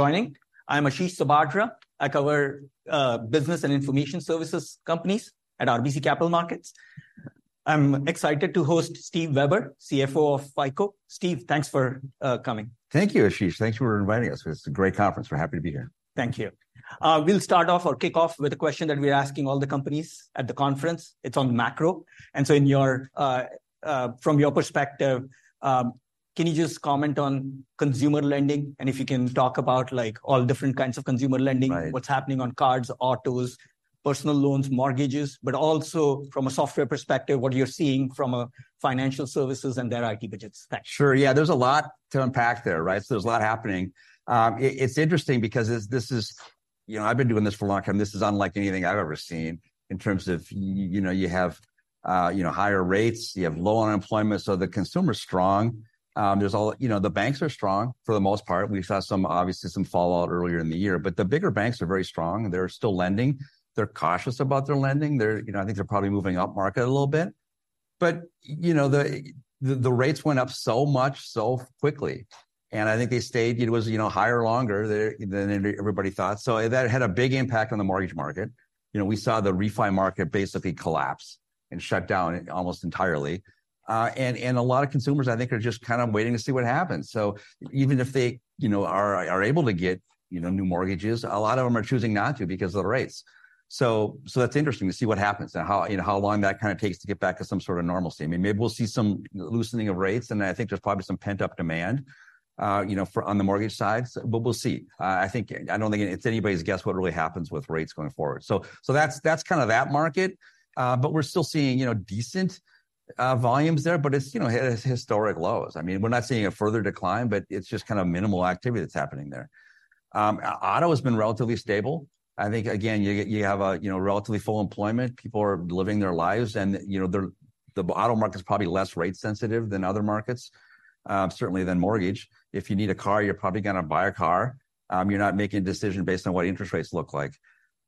Joining. I'm Ashish Sabadra. I cover business and information services companies at RBC Capital Markets. I'm excited to host Steve Weber, CFO of FICO. Steve, thanks for coming. Thank you, Ashish. Thank you for inviting us. It's a great conference. We're happy to be here. Thank you. We'll start off or kick off with a question that we're asking all the companies at the conference. It's on the macro, and so from your perspective, can you just comment on consumer lending? And if you can, talk about, like, all different kinds of consumer lending- Right... what's happening on cards, autos, personal loans, mortgages, but also from a software perspective, what you're seeing from a financial services and their IT budgets. Thanks. Sure, yeah. There's a lot to unpack there, right? So there's a lot happening. It's interesting because this, this is... You know, I've been doing this for a long time. This is unlike anything I've ever seen in terms of, you know, you have, you know, higher rates, you have low unemployment, so the consumer's strong. There's all... You know, the banks are strong for the most part. We've saw some, obviously some fallout earlier in the year, but the bigger banks are very strong, and they're still lending. They're cautious about their lending. They're, you know... I think they're probably moving up market a little bit. But, you know, the, the rates went up so much so quickly, and I think they stayed, it was, you know, higher or longer than, than everybody thought. So that had a big impact on the mortgage market. You know, we saw the refi market basically collapse and shut down almost entirely. And a lot of consumers, I think, are just kind of waiting to see what happens. So even if they, you know, are able to get, you know, new mortgages, a lot of them are choosing not to because of the rates. So that's interesting to see what happens and how, you know, how long that kind of takes to get back to some sort of normalcy. I mean, maybe we'll see some loosening of rates, and I think there's probably some pent-up demand, you know, for on the mortgage side, but we'll see. I think, I don't think it's anybody's guess what really happens with rates going forward. So that's kind of that market. But we're still seeing, you know, decent volumes there, but it's, you know, hit historic lows. I mean, we're not seeing a further decline, but it's just kind of minimal activity that's happening there. Auto has been relatively stable. I think, again, you have a, you know, relatively full employment. People are living their lives, and, you know, the auto market's probably less rate sensitive than other markets, certainly than mortgage. If you need a car, you're probably gonna buy a car. You're not making a decision based on what interest rates look like.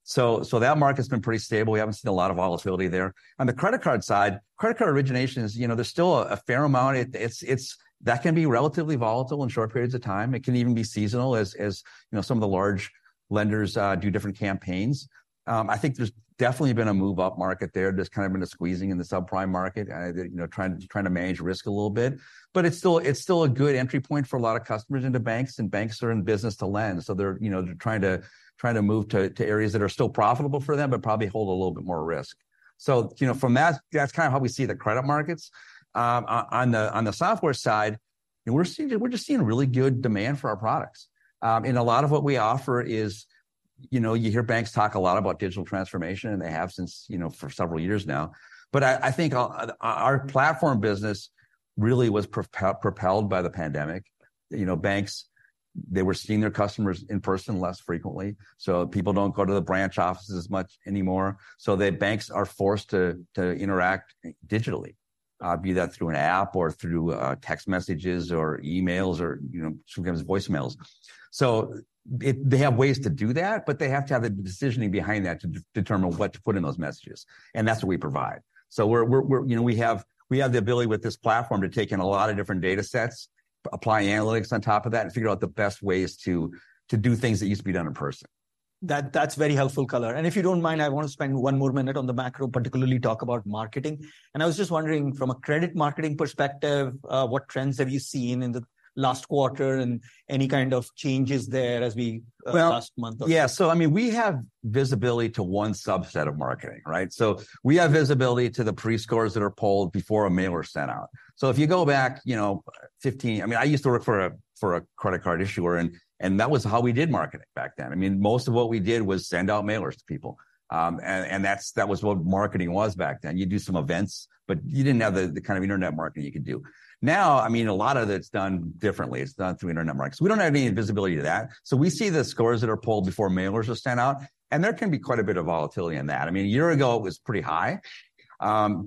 So that market's been pretty stable. We haven't seen a lot of volatility there. On the credit card side, credit card origination is, you know, there's still a fair amount. It's that can be relatively volatile in short periods of time. It can even be seasonal, as you know, some of the large lenders do different campaigns. I think there's definitely been a move-up market there, just kind of been a squeezing in the subprime market, you know, trying to manage risk a little bit. But it's still a good entry point for a lot of customers into banks, and banks are in business to lend, so they're, you know, trying to move to areas that are still profitable for them but probably hold a little bit more risk. So, you know, from that, that's kind of how we see the credit markets. On the software side, we're just seeing really good demand for our products. And a lot of what we offer is, you know, you hear banks talk a lot about digital transformation, and they have since, you know, for several years now. But I think our platform business really was propelled by the pandemic. You know, banks, they were seeing their customers in person less frequently, so people don't go to the branch offices as much anymore. So the banks are forced to interact digitally, be that through an app or through text messages or emails or, you know, sometimes voicemails. So they have ways to do that, but they have to have the decisioning behind that to determine what to put in those messages, and that's what we provide. So we're... You know, we have, we have the ability with this platform to take in a lot of different datasets, apply analytics on top of that, and figure out the best ways to, to do things that used to be done in person. That, that's very helpful color. And if you don't mind, I want to spend one more minute on the macro, particularly talk about marketing. And I was just wondering, from a credit marketing perspective, what trends have you seen in the last quarter, and any kind of changes there as we- Well- -last month? Yeah. So I mean, we have visibility to one subset of marketing, right? So we have visibility to the Pre-scores that are pulled before a mailer is sent out. So if you go back, you know, 15... I mean, I used to work for a credit card issuer, and that was how we did marketing back then. I mean, most of what we did was send out mailers to people. And that's what marketing was back then. You'd do some events, but you didn't have the kind of internet marketing you can do. Now, I mean, a lot of it's done differently. It's done through internet markets. We don't have any visibility to that, so we see the scores that are pulled before mailers are sent out, and there can be quite a bit of volatility in that. I mean, a year ago, it was pretty high.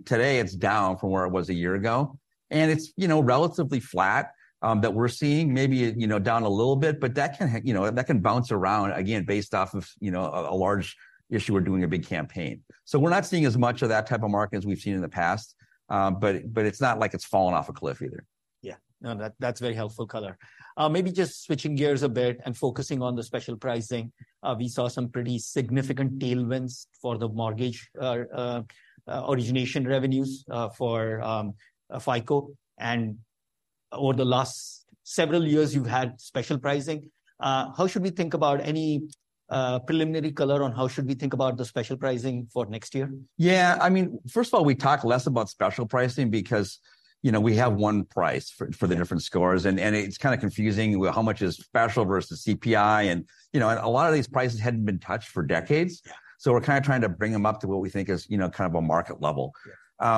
Today, it's down from where it was a year ago, and it's, you know, relatively flat, that we're seeing maybe, you know, down a little bit, but that can, you know, that can bounce around, again, based off of, you know, a large issue or doing a big campaign. So we're not seeing as much of that type of market as we've seen in the past, but it's not like it's fallen off a cliff either. Yeah. No, that, that's very helpful color. Maybe just switching gears a bit and focusing on the special pricing, we saw some pretty significant tailwinds for the mortgage origination revenues for FICO, and over the last several years, you've had special pricing. How should we think about any preliminary color on how should we think about the special pricing for next year? Yeah, I mean, first of all, we talk less about special pricing because, you know, we have one price for the different scores, and it's kind of confusing with how much is special versus CPI. And, you know, a lot of these prices hadn't been touched for decades. Yeah. So we're kind of trying to bring them up to what we think is, you know, kind of a market level. Yeah.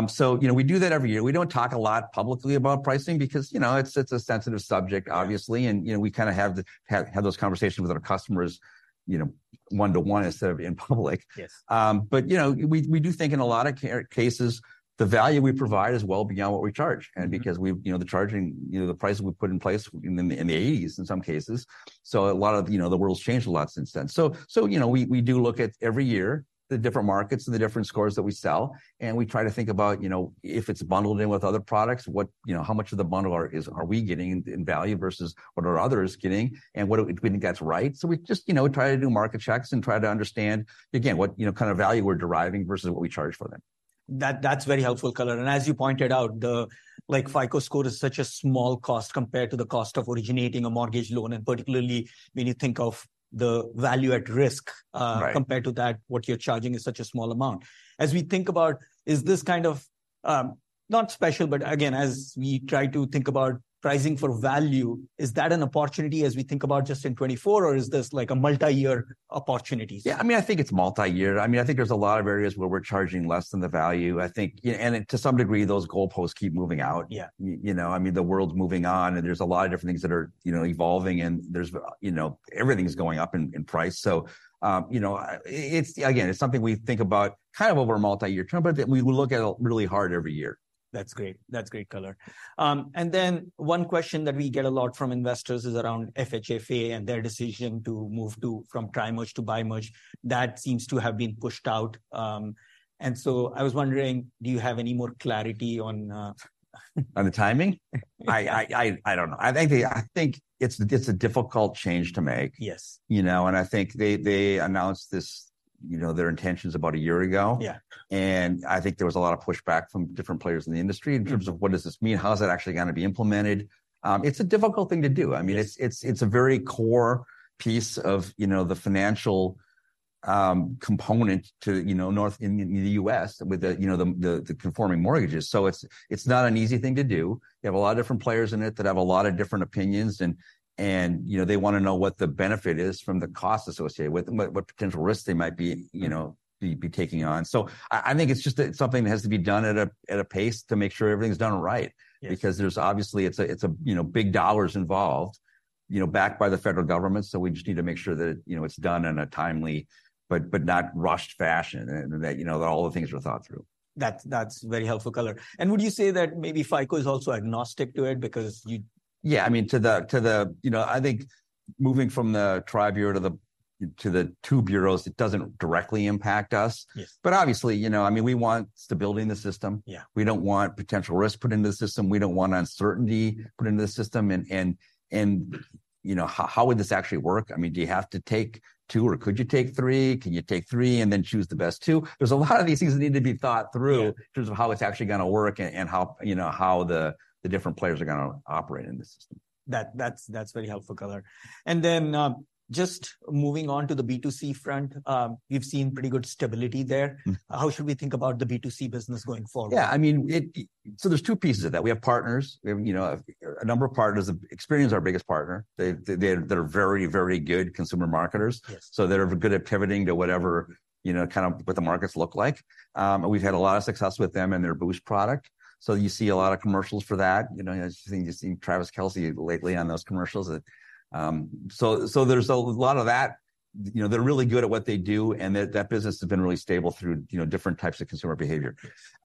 So, you know, we do that every year. We don't talk a lot publicly about pricing because, you know, it's a sensitive subject, obviously. Yeah. You know, we kind of have those conversations with our customers, you know, one-to-one instead of in public. Yes. But, you know, we do think in a lot of cases, the value we provide is well beyond what we charge. Mm-hmm. And because we, you know, the charging, you know, the prices we put in place in the, in the eighties, in some cases, so a lot of... You know, the world's changed a lot since then. So, so, you know, we, we do look at every year the different markets and the different scores that we sell, and we try to think about, you know, if it's bundled in with other products, what, you know, how much of the bundle are, is- are we getting in, in value versus what are others getting, and what, do we think that's right? So we just, you know, try to do market checks and try to understand, again, what, you know, kind of value we're deriving versus what we charge for them.... That, that's very helpful color. As you pointed out, the, like, FICO Score is such a small cost compared to the cost of originating a mortgage loan, and particularly when you think of the value at risk. Right compared to that, what you're charging is such a small amount. As we think about, is this kind of, not special, but again, as we try to think about pricing for value, is that an opportunity as we think about just in 2024, or is this, like, a multi-year opportunity? Yeah, I mean, I think it's multi-year. I mean, I think there's a lot of areas where we're charging less than the value, I think. Yeah, and to some degree, those goalposts keep moving out. Yeah. You know, I mean, the world's moving on, and there's a lot of different things that are, you know, evolving, and there's, you know, everything's going up in price. So, you know, it's again, it's something we think about kind of over a multi-year term, but that we look at it really hard every year. That's great. That's great color. And then one question that we get a lot from investors is around FHFA and their decision to move to, from Tri-Merge to Bi-Merge. That seems to have been pushed out. And so I was wondering, do you have any more clarity on - On the timing? Yeah. I don't know. I think it's a difficult change to make. Yes. You know, and I think they announced this, you know, their intentions about a year ago. Yeah. I think there was a lot of pushback from different players in the industry. Mm-hmm. In terms of what does this mean, how is it actually gonna be implemented? It's a difficult thing to do. Yes. I mean, it's a very core piece of, you know, the financial component to, you know, North... in the U.S. with the, you know, the conforming mortgages. So it's not an easy thing to do. They have a lot of different players in it that have a lot of different opinions, and, you know, they wanna know what the benefit is from the cost associated with it and what potential risks they might be, you know, taking on. So I think it's just that it's something that has to be done at a pace to make sure everything's done right- Yeah... because there's obviously, it's a, you know, big dollars involved, you know, backed by the federal government. So we just need to make sure that, you know, it's done in a timely, but not rushed fashion, and that, you know, that all the things were thought through. That's very helpful color. And would you say that maybe FICO is also agnostic to it because you- Yeah, I mean, you know, I think moving from the tri-bureau to the two bureaus, it doesn't directly impact us. Yes. Obviously, you know, I mean, we want stability in the system. Yeah. We don't want potential risk put into the system. We don't want uncertainty put into the system, and, you know, how would this actually work? I mean, do you have to take two, or could you take three? Can you take three and then choose the best two? There's a lot of these things that need to be thought through- Yeah... in terms of how it's actually gonna work and how, you know, how the different players are gonna operate in the system. That's very helpful color. And then, just moving on to the B2C front, we've seen pretty good stability there. Mm. How should we think about the B2C business going forward? Yeah, I mean, so there's two pieces of that. We have partners, we have, you know, a number of partners. Experian's our biggest partner. They're very, very good consumer marketers- Yes... so they're good at pivoting to whatever, you know, kind of what the markets look like. We've had a lot of success with them and their Boost product, so you see a lot of commercials for that. You know, you've seen Travis Kelce lately on those commercials. So there's a lot of that. You know, they're really good at what they do, and that business has been really stable through, you know, different types of consumer behavior.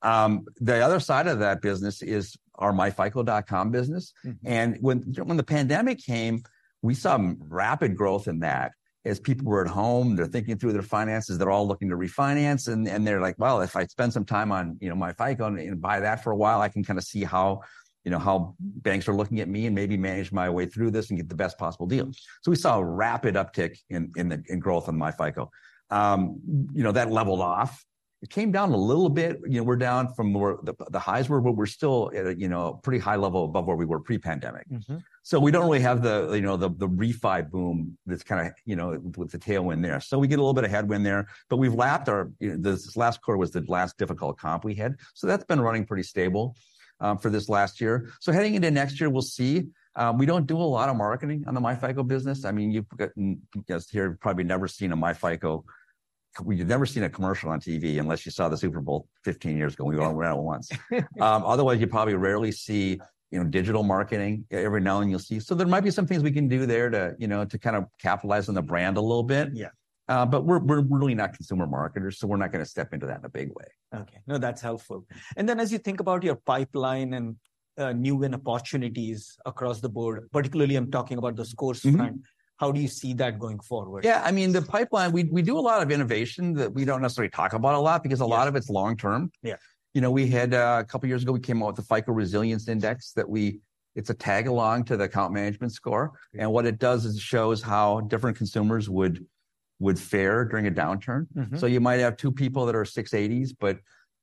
The other side of that business is our myFICO.com business. Mm. When the pandemic came, we saw some rapid growth in that. As people were at home, they're thinking through their finances, they're all looking to refinance, and they're like, "Well, if I spend some time on, you know, myFICO and buy that for a while, I can kind of see how, you know, how banks are looking at me and maybe manage my way through this and get the best possible deal." So we saw a rapid uptick in the growth in myFICO. You know, that leveled off. It came down a little bit. You know, we're down from where the highs were, but we're still at a, you know, pretty high level above where we were pre-pandemic. Mm-hmm. So we don't really have, you know, the refi boom, that's kind of, you know, with the tailwind there. So we get a little bit of headwind there, but we've lapped our... You know, this last quarter was the last difficult comp we had, so that's been running pretty stable for this last year. So heading into next year, we'll see. We don't do a lot of marketing on the myFICO business. I mean, you guys here probably never seen a myFICO. Well, you've never seen a commercial on TV unless you saw the Super Bowl 15 years ago, and we were only around once. Otherwise, you probably rarely see, you know, digital marketing. Every now and then you'll see. So there might be some things we can do there to, you know, to kind of capitalize on the brand a little bit. Yeah. But we're really not consumer marketers, so we're not gonna step into that in a big way. Okay. No, that's helpful. And then, as you think about your pipeline and new win opportunities across the board, particularly I'm talking about the scores front- Mm-hmm... how do you see that going forward? Yeah, I mean, the pipeline, we do a lot of innovation that we don't necessarily talk about a lot. Yes... because a lot of it's long term. Yeah. You know, we had a couple of years ago we came out with the FICO Resilience Index that it's a tag-along to the Account Management Score. Yeah. What it does is it shows how different consumers would fare during a downturn. Mm-hmm. So you might have two people that are 680s, but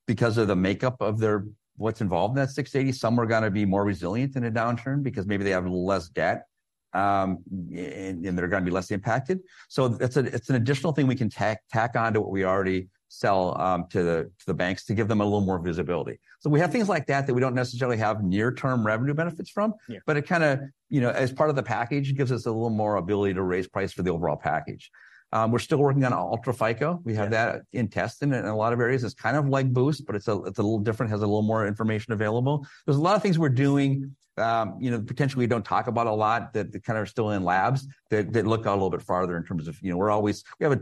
because of the makeup of their, what's involved in that 680, some are gonna be more resilient in a downturn because maybe they have a little less debt, and they're gonna be less impacted. So it's an additional thing we can tack on to what we already sell to the banks to give them a little more visibility. So we have things like that that we don't necessarily have near-term revenue benefits from- Yeah... but it kind of, you know, as part of the package, it gives us a little more ability to raise price for the overall package. We're still working on UltraFICO. Yeah. We have that in testing in a lot of areas. It's kind of like Boost, but it's a little different, has a little more information available. There's a lot of things we're doing, you know, potentially we don't talk about a lot, that kind of are still in labs, that look out a little bit farther in terms of, you know, we're always. We have,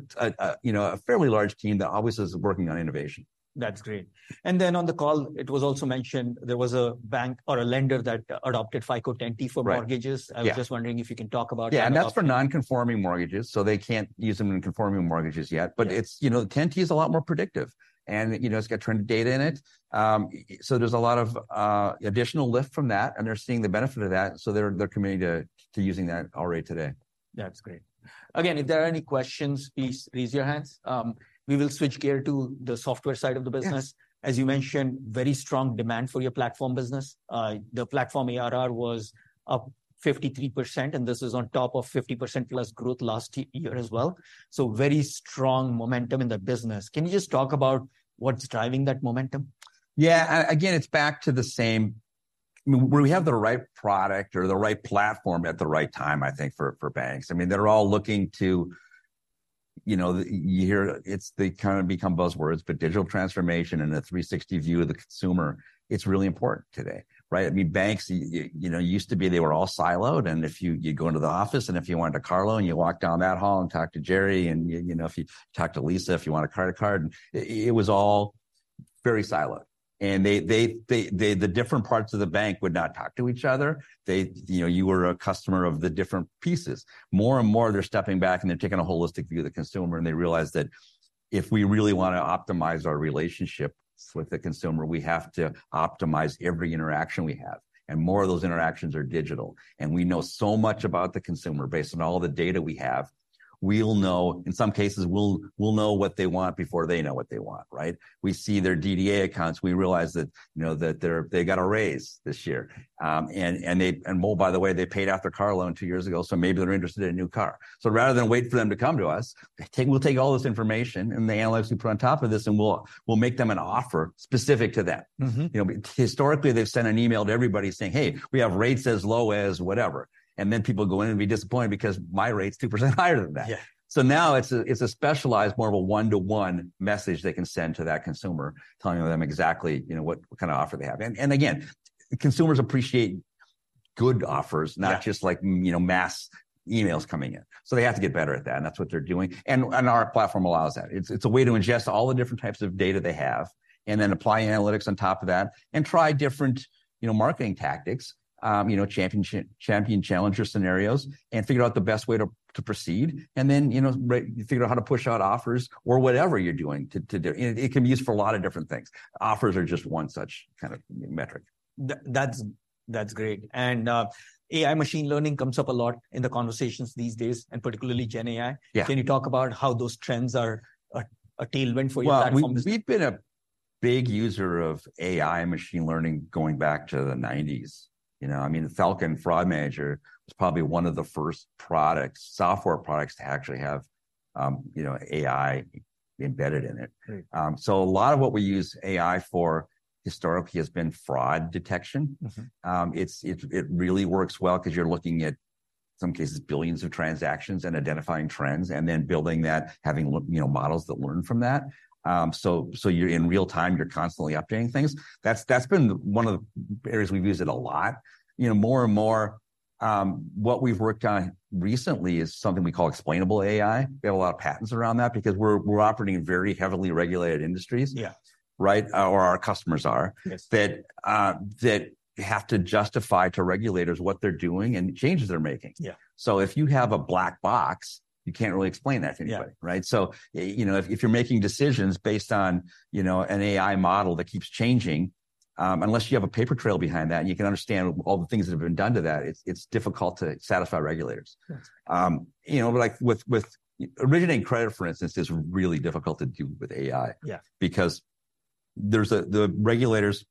you know, a fairly large team that always is working on innovation. That's great. Then on the call, it was also mentioned there was a bank or a lender that adopted FICO 10T for mortgages. Right, yeah. I was just wondering if you can talk about that adoption. Yeah, and that's for non-conforming mortgages, so they can't use them in conforming mortgages yet. Yeah. But it's, you know, the 10T is a lot more predictive and, you know, it's got trending data in it. So there's a lot of additional lift from that, and they're seeing the benefit of that, so they're, they're committing to, to using that already today.... That's great. Again, if there are any questions, please raise your hands. We will switch gear to the software side of the business. Yes. As you mentioned, very strong demand for your platform business. The platform ARR was up 53%, and this is on top of 50%+ growth last year as well, so very strong momentum in the business. Can you just talk about what's driving that momentum? Yeah, again, it's back to the same... Where we have the right product or the right platform at the right time, I think, for banks. I mean, they're all looking to, you know, you hear they kind of become buzzwords, but digital transformation and the 360 view of the consumer, it's really important today, right? I mean, banks, you know, used to be they were all siloed, and if you... You'd go into the office, and if you wanted a car loan, you walk down that hall and talk to Jerry. And you know, if you talk to Lisa, if you want a credit card. It was all very siloed. And the different parts of the bank would not talk to each other. They... You know, you were a customer of the different pieces. More and more, they're stepping back, and they're taking a holistic view of the consumer, and they realize that if we really wanna optimize our relationship with the consumer, we have to optimize every interaction we have, and more of those interactions are digital. We know so much about the consumer based on all the data we have. We'll know, in some cases, we'll know what they want before they know what they want, right? We see their DDA accounts. We realize that, you know, they got a raise this year. Well, by the way, they paid off their car loan two years ago, so maybe they're interested in a new car. So rather than wait for them to come to us, we'll take all this information and the analytics we put on top of this, and we'll make them an offer specific to that. Mm-hmm. You know, historically, they've sent an email to everybody saying, "Hey, we have rates as low as whatever." And then people go in and be disappointed because my rate's 2% higher than that. Yeah. So now it's a specialized, more of a one-to-one message they can send to that consumer, telling them exactly, you know, what kind of offer they have. And again, consumers appreciate good offers- Yeah... not just like, you know, mass emails coming in. So they have to get better at that, and that's what they're doing. And our platform allows that. It's a way to ingest all the different types of data they have and then apply analytics on top of that and try different, you know, marketing tactics, you know, champion-challenger scenarios, and figure out the best way to proceed, and then, you know, right, figure out how to push out offers or whatever you're doing to do. And it can be used for a lot of different things. Offers are just one such kind of metric. That's great. And AI machine learning comes up a lot in the conversations these days, and particularly GenAI. Yeah. Can you talk about how those trends are a tailwind for your platform? Well, we've been a big user of AI machine learning going back to the 1990s. You know, I mean, Falcon Fraud Manager was probably one of the first products, software products to actually have, you know, AI embedded in it. Great. So a lot of what we use AI for historically has been fraud detection. Mm-hmm. It really works well because you're looking at, in some cases, billions of transactions and identifying trends and then building that, you know, models that learn from that. So you're in real time, you're constantly updating things. That's been one of the areas we've used it a lot. You know, more and more, what we've worked on recently is something we call explainable AI. We have a lot of patents around that because we're operating in very heavily regulated industries. Yeah. Right? Or our customers are- Yes... that have to justify to regulators what they're doing and changes they're making. Yeah. If you have a black box, you can't really explain that to anybody. Yeah. Right? So, you know, if you're making decisions based on, you know, an AI model that keeps changing, unless you have a paper trail behind that and you can understand all the things that have been done to that, it's difficult to satisfy regulators. Yes. You know, like with originating credit, for instance, is really difficult to do with AI. Yeah... because the regulators,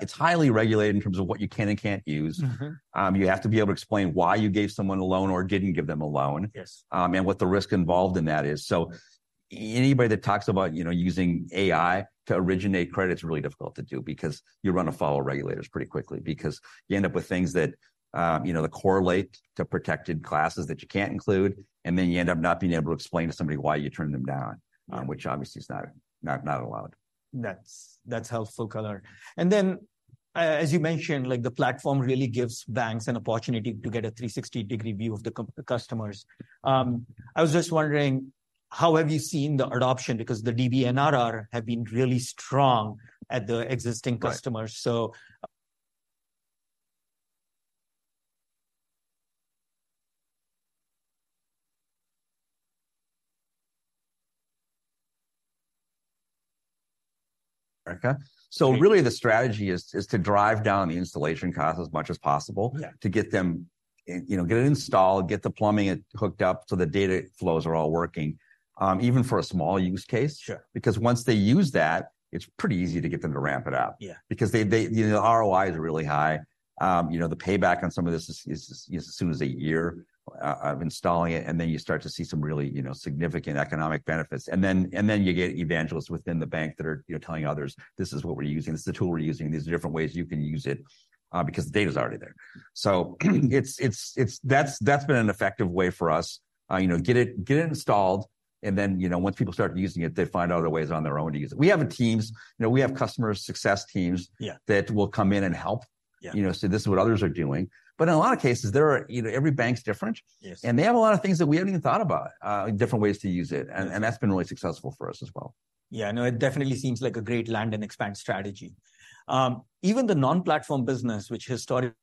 it's highly regulated in terms of what you can and can't use. Mm-hmm. You have to be able to explain why you gave someone a loan or didn't give them a loan. Yes... and what the risk involved in that is. So anybody that talks about, you know, using AI to originate credit, it's really difficult to do because you're gonna follow regulators pretty quickly. Because you end up with things that, you know, that correlate to protected classes that you can't include, and then you end up not being able to explain to somebody why you turned them down, which obviously is not allowed. That's, that's helpful color. And then, as you mentioned, like the platform really gives banks an opportunity to get a 360-degree view of the customers. I was just wondering, how have you seen the adoption? Because the DBNRR have been really strong at the existing customers- Right... so. Okay. So really, the strategy is to drive down the installation cost as much as possible- Yeah... to get them, you know, get it installed, get the plumbing hooked up, so the data flows are all working, even for a small use case. Sure. Because once they use that, it's pretty easy to get them to ramp it up. Yeah. Because they, you know, the ROI is really high. You know, the payback on some of this is as soon as a year of installing it, and then you start to see some really, you know, significant economic benefits. And then you get evangelists within the bank that are, you know, telling others: "This is what we're using. This is the tool we're using. These are different ways you can use it," because the data's already there. So it's been an effective way for us. You know, get it installed, and then, you know, once people start using it, they find other ways on their own to use it. You know, we have customer success teams- Yeah... that will come in and help. Yeah. You know, say, "This is what others are doing." But in a lot of cases, there are, you know, every bank's different. Yes. They have a lot of things that we haven't even thought about, different ways to use it, and that's been really successful for us as well. Yeah, no, it definitely seems like a great land and expand strategy. Even the non-platform business, which historically- ...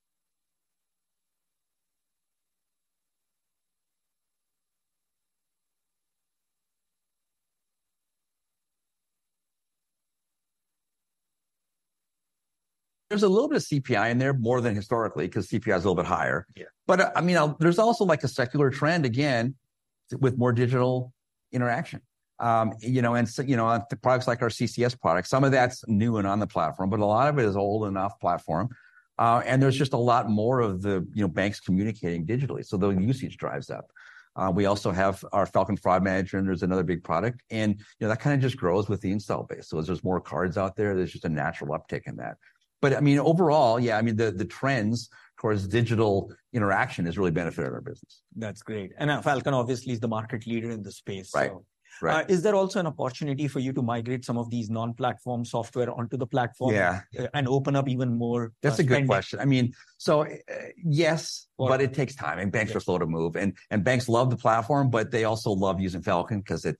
There's a little bit of CPI in there, more than historically, 'cause CPI is a little bit higher. Yeah. I mean, there's also, like, a secular trend, again, with more digital interaction. You know, and so, you know, on the products like our CCS products, some of that's new and on the platform, but a lot of it is old and off platform. And there's just a lot more of the, you know, banks communicating digitally, so the usage drives up. We also have our Falcon Fraud Manager, and there's another big product. And, you know, that kind of just grows with the install base. So as there's more cards out there, there's just a natural uptick in that. But, I mean, overall, yeah, I mean, the, the trends towards digital interaction has really benefited our business. That's great. Falcon obviously is the market leader in the space, so. Right. Right. Is there also an opportunity for you to migrate some of these non-platform software onto the platform- Yeah... and open up even more? That's a great question. I mean, so, yes- Well-... but it takes time, and banks are slow to move. Yeah. Banks love the platform, but they also love using Falcon, 'cause it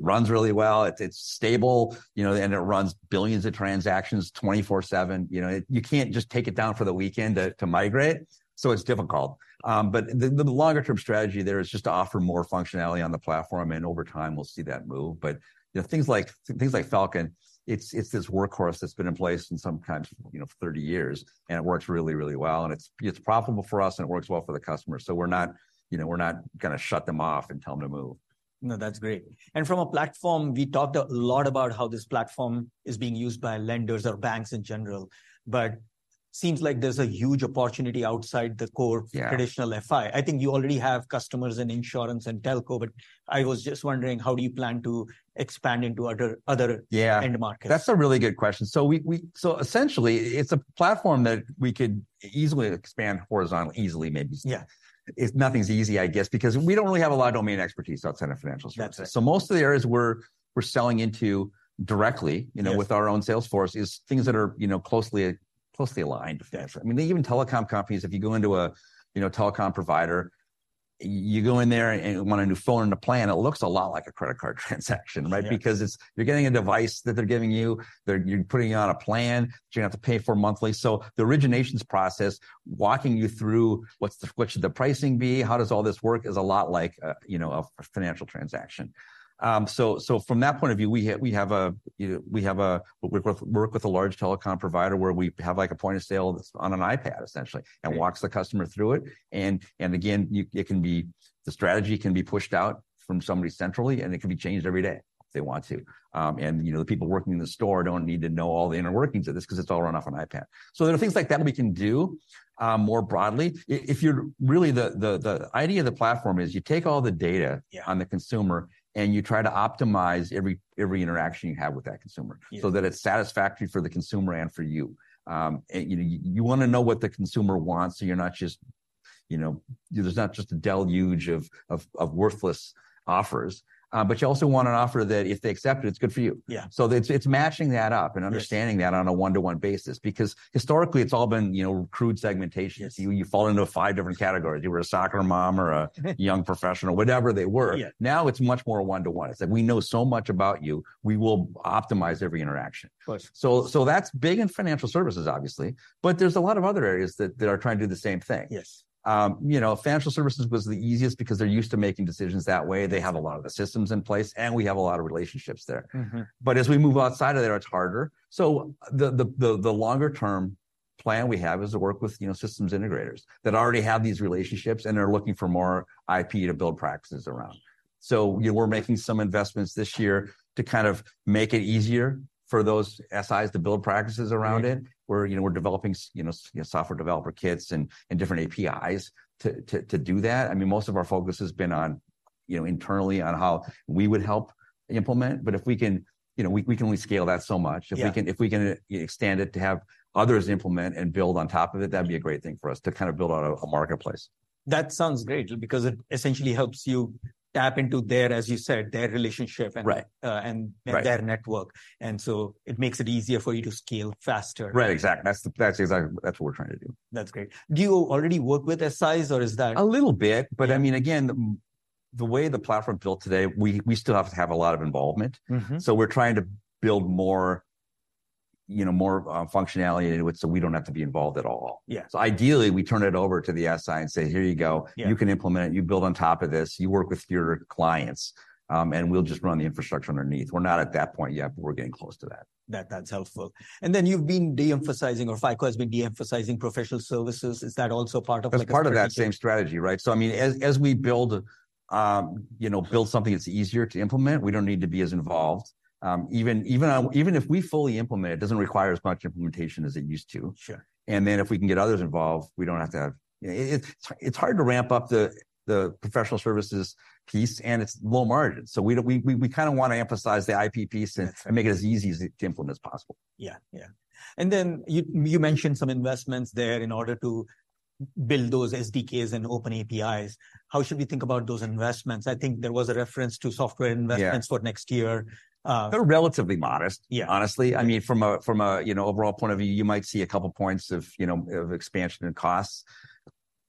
runs really well. It's stable, you know, and it runs billions of transactions 24/7. You know, you can't just take it down for the weekend to migrate, so it's difficult. But the longer-term strategy there is just to offer more functionality on the platform, and over time, we'll see that move. But, you know, things like Falcon, it's this workhorse that's been in place in some kinds, you know, for 30 years, and it works really, really well. And it's profitable for us, and it works well for the customer, so we're not, you know, we're not gonna shut them off and tell them to move. No, that's great. And from a platform, we talked a lot about how this platform is being used by lenders or banks in general, but seems like there's a huge opportunity outside the core- Yeah... traditional FI. I think you already have customers in insurance and telco, but I was just wondering, how do you plan to expand into other, other- Yeah... end markets? That's a really good question. So essentially, it's a platform that we could easily expand horizontally. Easily, maybe- Yeah... if nothing's easy, I guess, because we don't really have a lot of domain expertise outside of financial services. That's it. Most of the areas we're selling into directly- Yes... you know, with our own sales force, is things that are, you know, closely, closely aligned to financial. I mean, even telecom companies, if you go into a, you know, telecom provider, you go in there and you want a new phone and a plan, it looks a lot like a credit card transaction, right? Yeah. Because it's... you're getting a device that they're giving you. You're putting it on a plan that you're gonna have to pay for monthly. So the originations process, walking you through what should the pricing be, how does all this work, is a lot like, you know, a financial transaction. So from that point of view, we have, you know, we work with a large telecom provider, where we have, like, a point-of-sale that's on an iPad, essentially. Yeah... and walks the customer through it. And again, the strategy can be pushed out from somebody centrally, and it can be changed every day if they want to. And you know, the people working in the store don't need to know all the inner workings of this, 'cause it's all run off an iPad. So there are things like that we can do more broadly. If you're... Really, the idea of the platform is, you take all the data- Yeah... on the consumer, and you try to optimize every interaction you have with that consumer- Yeah... so that it's satisfactory for the consumer and for you. And, you know, you wanna know what the consumer wants, so you're not just, you know... there's not just a deluge of worthless offers. But you also want an offer that if they accept it, it's good for you. Yeah. So it's matching that up- Yeah... and understanding that on a one-to-one basis. Because historically, it's all been, you know, crude segmentation. Yes. You fall into five different categories. You were a soccer mom or young professional, whatever they were. Yeah. Now, it's much more a one-to-one. It's like, we know so much about you, we will optimize every interaction. Of course. So that's big in financial services, obviously, but there's a lot of other areas that are trying to do the same thing. Yes. You know, financial services was the easiest because they're used to making decisions that way. They have a lot of the systems in place, and we have a lot of relationships there. Mm-hmm. But as we move outside of there, it's harder. So the longer term plan we have is to work with, you know, systems integrators that already have these relationships and are looking for more IP to build practices around. So, you know, we're making some investments this year to kind of make it easier for those SIs to build practices around it. Yeah. We're, you know, we're developing software developer kits and different APIs to do that. I mean, most of our focus has been on, you know, internally on how we would help implement, but if we can... you know, we can only scale that so much. Yeah. If we can extend it to have others implement and build on top of it, that'd be a great thing for us to kind of build out a marketplace. That sounds great because it essentially helps you tap into their, as you said, their relationship- Right... Right... their network. And so it makes it easier for you to scale faster. Right, exactly. That's, that's exactly, that's what we're trying to do. That's great. Do you already work with SIs, or is that- A little bit. Yeah. But I mean, again, the way the platform's built today, we still have to have a lot of involvement. Mm-hmm. So we're trying to build more, you know, more functionality into it, so we don't have to be involved at all. Yeah. So ideally, we turn it over to the SI and say, "Here you go. Yeah. You can implement it. You build on top of this. You work with your clients, and we'll just run the infrastructure underneath." We're not at that point yet, but we're getting close to that. That, that's helpful. And then, you've been de-emphasizing, or FICO has been de-emphasizing professional services. Is that also part of, like-? It's part of that same strategy, right? So I mean, as we build, you know, build something that's easier to implement, we don't need to be as involved. Even if we fully implement it, it doesn't require as much implementation as it used to. Sure. And then, if we can get others involved, we don't have to have... You know, it's hard to ramp up the professional services piece, and it's low margin. So we don't. We kind of want to emphasize the IP piece and make it as easy as to implement as possible. Yeah, yeah. And then you, you mentioned some investments there in order to build those SDKs and open APIs. How should we think about those investments? I think there was a reference to software investments- Yeah... for next year. They're relatively modest- Yeah... honestly. I mean, from a you know, overall point of view, you might see a couple points of you know, of expansion and costs.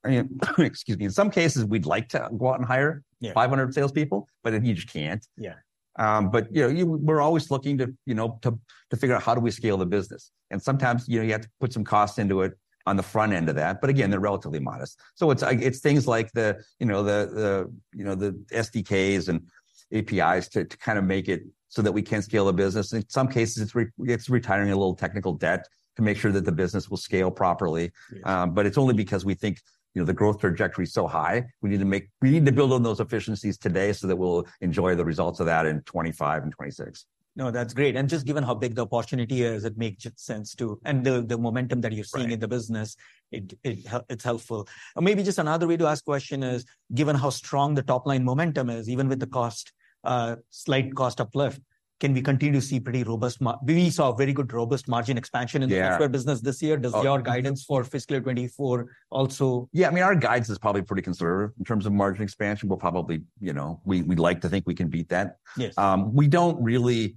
I mean, excuse me, in some cases, we'd like to go out and hire- Yeah... 500 salespeople, but then you just can't. Yeah.... but, you know, we're always looking to, you know, to figure out how do we scale the business? And sometimes, you know, you have to put some cost into it on the front end of that, but again, they're relatively modest. So it's things like the SDKs and APIs to kind of make it so that we can scale the business. In some cases, it's retiring a little technical debt to make sure that the business will scale properly. Yes. But it's only because we think, you know, the growth trajectory is so high, we need to build on those efficiencies today so that we'll enjoy the results of that in 2025 and 2026. No, that's great. And just given how big the opportunity is, it makes sense to... And the, the momentum that you're- Right... seeing in the business, it's helpful. And maybe just another way to ask question is, given how strong the top-line momentum is, even with the slight cost uplift, can we continue to see pretty robust mar- we saw very good robust margin expansion- Yeah... in the software business this year. Oh- Does your guidance for fiscal 2024 also- Yeah, I mean, our guidance is probably pretty conservative in terms of margin expansion. We'll probably, you know, we'd like to think we can beat that. Yes. We don't really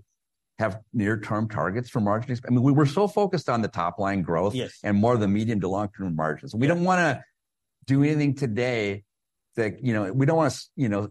have near-term targets for margin. I mean, we were so focused on the top-line growth- Yes... and more of the medium to long-term margins. We don't wanna do anything today that, you know, we don't wanna—you know,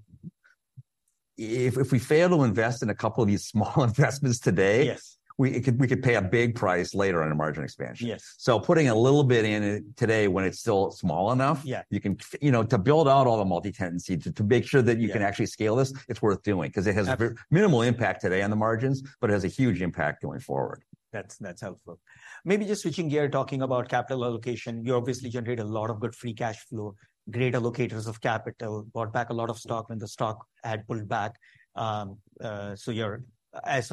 if, if we fail to invest in a couple of these small investments today- Yes... we could pay a big price later on in margin expansion. Yes. Putting a little bit in it today when it's still small enough- Yeah... you can, you know, to build out all the multi-tenancy, to, to make sure that- Yeah... you can actually scale this, it's worth doing. Absolutely. 'Cause it has minimal impact today on the margins, but it has a huge impact going forward. That's, that's helpful. Maybe just switching gear, talking about capital allocation. You obviously generate a lot of good free cash flow, great allocators of capital, bought back a lot of stock when the stock had pulled back. So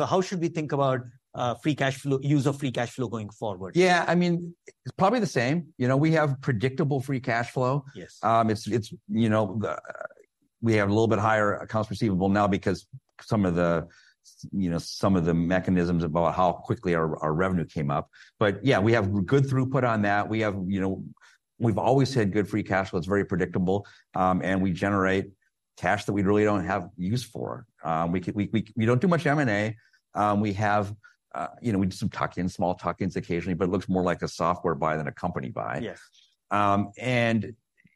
how should we think about free cash flow, use of free cash flow going forward? Yeah, I mean, it's probably the same. You know, we have predictable free cash flow. Yes. It's, you know, the... We have a little bit higher accounts receivable now because some of the, you know, some of the mechanisms about how quickly our revenue came up. But yeah, we have good throughput on that. We have, you know... We've always had good free cash flow. It's very predictable, and we generate cash that we really don't have use for. We don't do much M&A. We have, you know, we do some tuck-ins, small tuck-ins occasionally, but it looks more like a software buy than a company buy. Yes.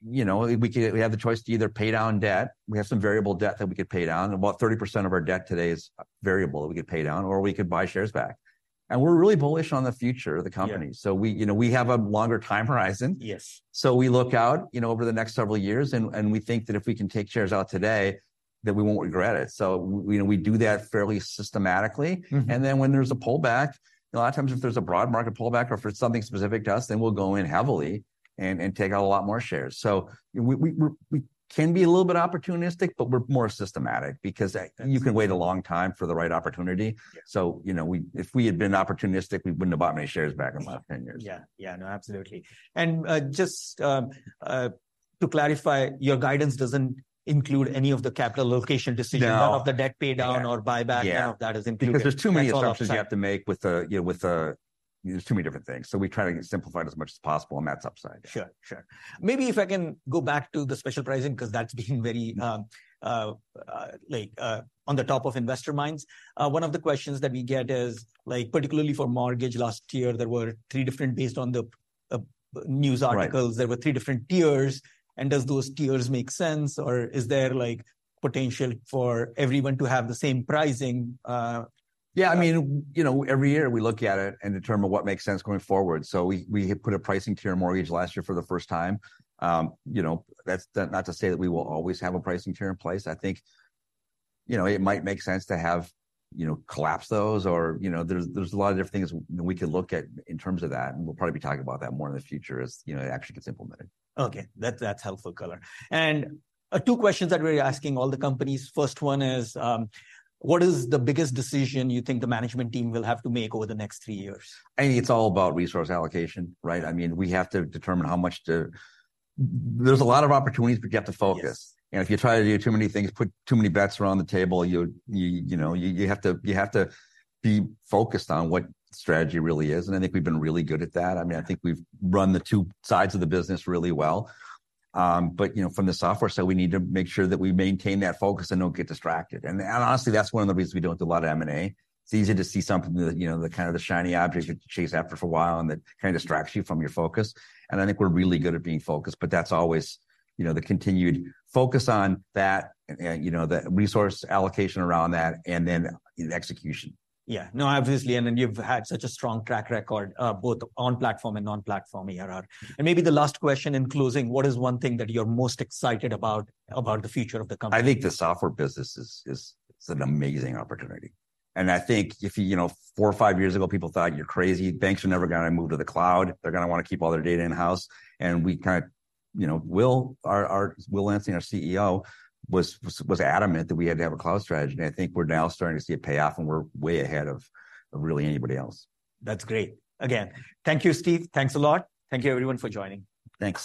you know, we have the choice to either pay down debt. We have some variable debt that we could pay down. About 30% of our debt today is variable that we could pay down, or we could buy shares back. We're really bullish on the future of the company. Yeah. So we, you know, we have a longer time horizon. Yes. So we look out, you know, over the next several years, and we think that if we can take shares out today, that we won't regret it. So, you know, we do that fairly systematically. Mm-hmm. Then, when there's a pullback, a lot of times, if there's a broad market pullback or if it's something specific to us, then we'll go in heavily and take out a lot more shares. So we can be a little bit opportunistic, but we're more systematic because- Mm... you can wait a long time for the right opportunity. Yeah. So, you know, if we had been opportunistic, we wouldn't have bought many shares back in the last 10 years. Yeah. Yeah. No, absolutely. And just to clarify, your guidance doesn't include any of the capital allocation decisions- No... or of the debt paydown- Yeah... or buyback? Yeah. That is included. Because there's too many assumptions- That's all upside.... you have to make with the, you know. There's too many different things, so we try to simplify it as much as possible, and that's upside. Sure, sure. Maybe if I can go back to the special pricing, 'cause that's been very, like, on the top of investor minds. One of the questions that we get is, like, particularly for mortgage last year, there were three different... Based on the news articles- Right... there were three different tiers. Does those tiers make sense, or is there, like, potential for everyone to have the same pricing? Yeah, I mean, you know, every year we look at it and determine what makes sense going forward. So we, we put a pricing tier in mortgage last year for the first time. You know, that's not to say that we will always have a pricing tier in place. I think, you know, it might make sense to have, you know, collapse those or, you know... There's, there's a lot of different things we could look at in terms of that, and we'll probably be talking about that more in the future as, you know, it actually gets implemented. Okay, that, that's helpful color. And, two questions that we're asking all the companies. First one is: What is the biggest decision you think the management team will have to make over the next three years? I think it's all about resource allocation, right? I mean, we have to determine how much to... There's a lot of opportunities, but you have to focus. Yes. If you try to do too many things, put too many bets around the table, you know, you have to be focused on what the strategy really is, and I think we've been really good at that. Yeah. I mean, I think we've run the two sides of the business really well. But, you know, from the software side, we need to make sure that we maintain that focus and don't get distracted. Honestly, that's one of the reasons we don't do a lot of M&A. It's easy to see something that, you know, the kind of the shiny object that you chase after for a while, and that kind of distracts you from your focus, and I think we're really good at being focused. That's always, you know, the continued focus on that and, you know, the resource allocation around that, and then the execution. Yeah. No, obviously, and then you've had such a strong track record, both on-platform and non-platform ARR. And maybe the last question in closing: What is one thing that you're most excited about, about the future of the company? I think the software business is. It's an amazing opportunity, and I think if, you know, four or five years ago, people thought, "You're crazy. Banks are never gonna move to the cloud. They're gonna wanna keep all their data in-house." And we kind of, you know... Will Lansing, our CEO, was adamant that we had to have a cloud strategy, and I think we're now starting to see it pay off, and we're way ahead of really anybody else. That's great. Again, thank you, Steve. Thanks a lot. Thank you, everyone, for joining. Thank you.